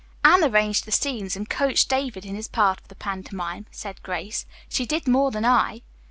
"Anne arranged the scenes and coached David in his part of the pantomime," said Grace. "She did more than I."